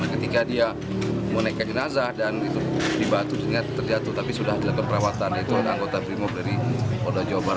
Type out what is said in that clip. ketika dia menaikkan jenazah dan dibantu dengan terjatuh tapi sudah dilakukan perawatan itu anggota brimopolda jabar